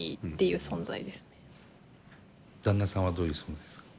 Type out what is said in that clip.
旦那さんはどういう存在ですか？